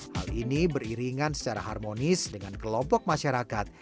hal ini beriringan secara harmonis dengan kelompok masyarakat